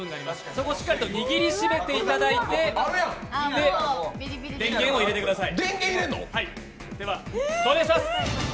そこをしっかりと握りしめていただいて、電源を入れてください。